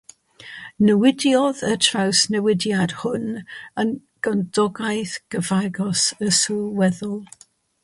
Newidiodd y trawsnewidiad hwn y gymdogaeth gyfagos yn sylweddol.